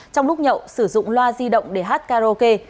trong lúc nhậu sử dụng loa di động để hát karaoke